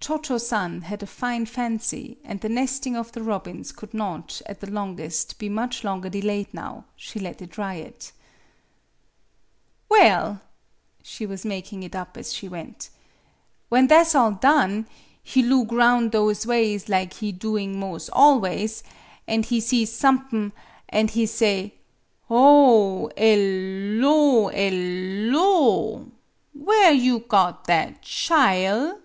Cho Cho San had a fine fancy, and the nesting of the robins could not, at the long est, be much longer delayed now; she let it riot. "Well," she was making it up as she went, "when tha' 's all done, he loog roun' those ways lig he doing 'mos' always, 26 MADAME BUTTERFLY an' he see sump'n', an' he say: 'Oh, 'e\ lo el \o \ Where you got that chile